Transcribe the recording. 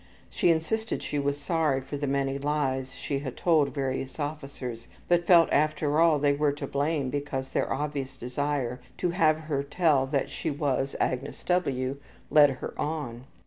She insisted she was sorry for the many lies she had told various officers, but felt, after all, they were to blame because their obvious desire to have her tell that she was Agnes W. led her on.